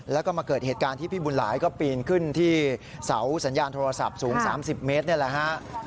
แล้วก็มาเกิดเหตุการณ์ที่พี่บุญหลายก็ปีนขึ้นที่เสาสัญญาณโทรศัพท์สูง๓๐เมตรนี่แหละฮะ